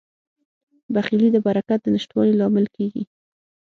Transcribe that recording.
بخیلي د برکت د نشتوالي لامل کیږي.